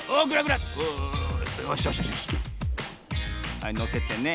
はいのせてね。